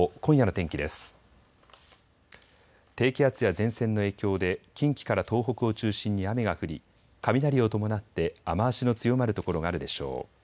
低気圧や前線の影響で近畿から東北を中心に雨が降り雷を伴って雨足の強まる所があるでしょう。